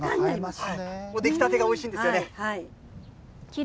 出来たてがおいしいんですよはい。